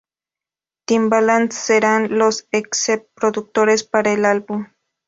Timbaland serán los exec-productores para el álbum.